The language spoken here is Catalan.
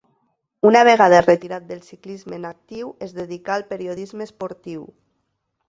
Una vegada retirat del ciclisme en actiu es dedicà al periodisme esportiu.